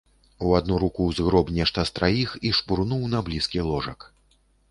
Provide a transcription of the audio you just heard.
У адну руку згроб нешта з траіх і шпурнуў на блізкі ложак.